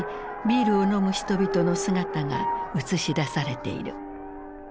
ビールを飲む人々の姿が映し出されている。